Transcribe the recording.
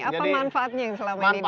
apa manfaatnya yang selama ini